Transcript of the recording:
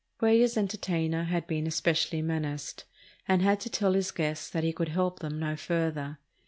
Cuellar's entertainer had been espe cially menaced, and had to tell his guests that he could help them no further.